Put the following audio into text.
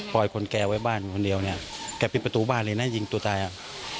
คนแกไว้บ้านคนเดียวเนี่ยแกปิดประตูบ้านเลยนะยิงตัวตายอ่ะ